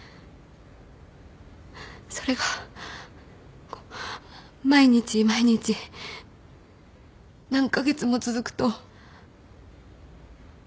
それが毎日毎日何カ月も続くと。